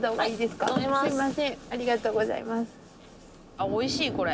あおいしいこれ。